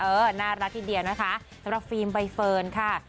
เออน่ารักทุกดีนะครับสำหรับฟิล์มบายเฟิร์นค่ะ